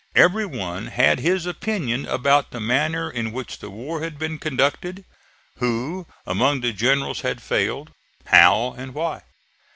Every one had his opinion about the manner in which the war had been conducted: who among the generals had failed, how, and why.